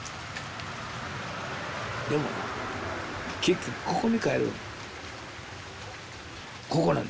でもな結局ここに帰るの。